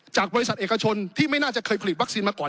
จากบริษัทเอกชนที่ไม่น่าจะเคยผลิตวัคซีนมาก่อน